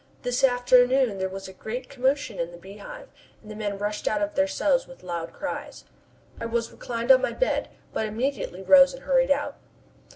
This afternoon there was a great commotion in the Beehive, and the men rushed out of their cells with loud cries. I was reclining on my bed, but immediately rose and hurried out.